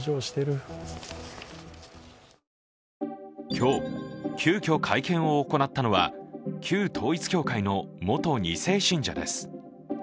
今日、急きょ会見を行ったのは旧統一教会の元２世信者です。